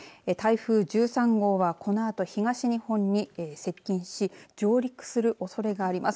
台風１３号は、このあと東日本に接近し上陸するおそれがあります。